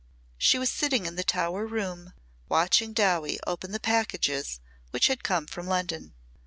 She was sitting in the Tower room, watching Dowie open the packages which had come from London.